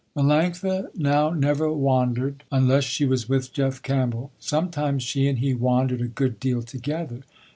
Melanctha now never wandered, unless she was with Jeff Campbell. Sometimes she and he wandered a good deal together.